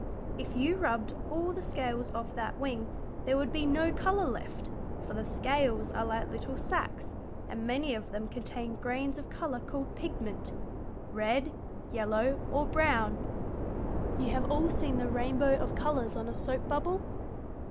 If you rubbed all the scales off that wing there would be no color left, for the scales are like little sacs, and many of them contain grains of color called pigment red, yellow, or brown. You have all seen the rainbow of colors on a soap bubble?